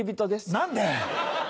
何で？